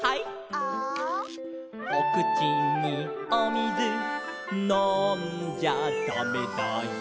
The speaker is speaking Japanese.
「ア」「おくちにおみずのんじゃだめだよ」